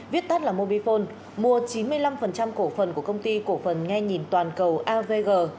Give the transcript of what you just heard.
viết tắt là mobifone mua chín mươi năm cổ phần của công ty cổ phần nghe nhìn toàn cầu avg